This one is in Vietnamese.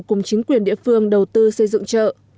cùng chính quyền địa phương đầu tư xây dựng chợ